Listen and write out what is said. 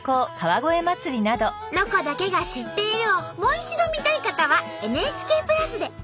「ロコだけが知っている」をもう一度見たい方はＮＨＫプラスで。